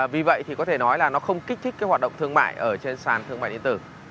vì vậy thì có thể nói là nó không kích thích cái hoạt động thương mại ở trên sàn thương mại điện tử